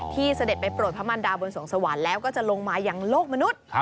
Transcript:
เสด็จไปโปรดพระมันดาบนสวงสวรรค์แล้วก็จะลงมายังโลกมนุษย์